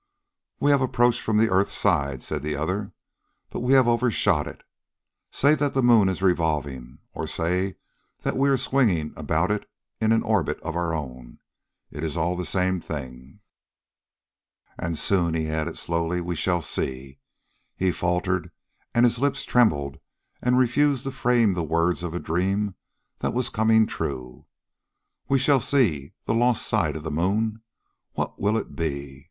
"We have approached from the earth side," said the other, "but we have overshot it. Say that the moon is revolving, or say that we are swinging about it in an orbit of our own it is all the same thing." "And soon," he added slowly, "we shall see...." He faltered and his lips trembled and refused to frame the words of a dream that was coming true. "We shall see ... the lost side of the moon. What will it be ...